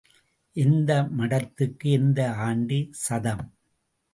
எந்த மடத்துக்கு எந்த ஆண்டி சதம்?